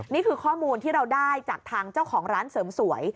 นี่คือข้อมูลที่เราได้จากทางเจ้าของร้านเสริมสวย